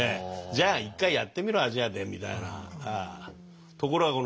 「じゃあ一回やってみろアジアで」みたいな。